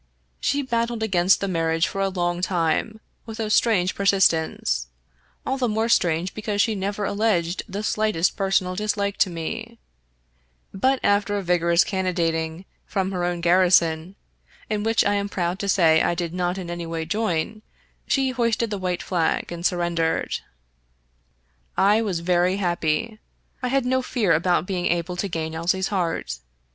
She battled against the marriage for a long time with a strange per sistence — all the more strange because she never alleged the slightest personal dislike to me; but after a vigorous cannonading from her own garrison (in which, I am proud to say, I did not in any way join), she hoisted the white flag and surrendered. I was very happy. I had no fear about being able to gain Elsie's heart.